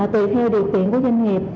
tùy theo điều kiện của doanh nghiệp